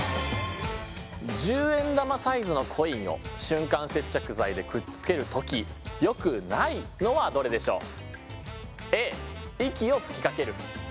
１０円玉サイズのコインを瞬間接着剤でくっつける時よくないのはどれでしょう。